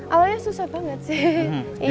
awalnya susah banget sih